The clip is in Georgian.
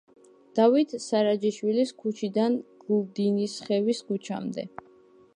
დავით სარაჯიშვილის ქუჩიდან გლდანისხევის ქუჩამდე.